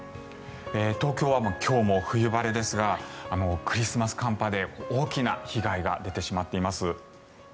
東京は今日も冬晴れですがクリスマス寒波で大きな被害が出てしまっています。